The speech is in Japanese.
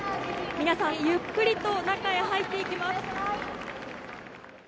皆さん、ゆっくりと中へ入っていきます。